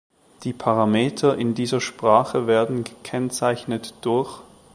Die Parameter in dieser Sprache werden gekennzeichnet durch